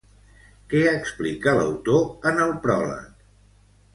Què explica, l'autor, en el pròleg?